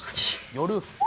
夜？